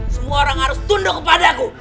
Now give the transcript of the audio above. semua orang harus tunduk kepadaku